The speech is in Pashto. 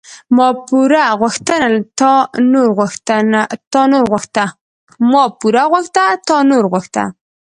ـ ما پور غوښته تا نور غوښته.